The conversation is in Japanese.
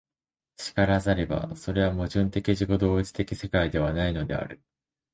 然らざれば、それは矛盾的自己同一的世界ではないのである。